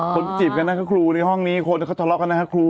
คนจีบกันนะครูในห้องนี้คนเขาทะเลาะกันนะครับครู